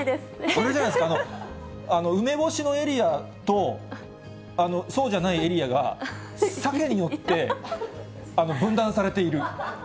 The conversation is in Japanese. あれじゃないですか、梅干しのエリアとそうじゃないエリアが、サケによって分断されている。